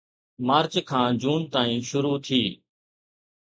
march کان June تائين شروع ٿي